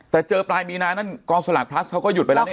แต่เจอปลายมีนานั่นกองสลากพลัสเขาก็หยุดไปแล้วนี่